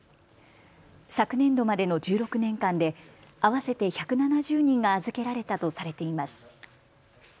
昨年度までの１６年間で合わせて１７０人が預けられたとされています。